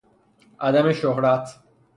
عدم شهرت